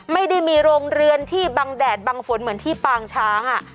ไม่ได้มีโรงเรือนที่บังแดดบังฝนเหมือนที่ปางช้าง